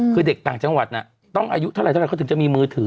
คือเด็กต่างจังหวัดต้องอายุเท่าไหรเขาถึงจะมีมือถือ